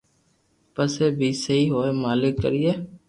پسو بي سھي ھوئي مالڪ ڪرئي